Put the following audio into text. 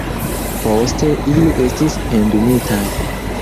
Poste ili estis pendumitaj.